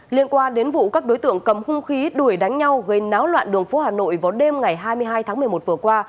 liên quan đến vụ các đối tượng cầm hung khí đuổi đánh nhau gây náo loạn đường phố hà nội vào đêm ngày hai mươi hai tháng một mươi một vừa qua